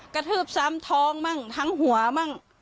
กระทืบซ้ำท้องบ้างทั้งหัวบ้าง